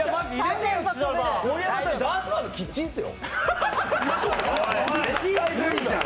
盛山さん、ダーツバーのキッチンっすよ？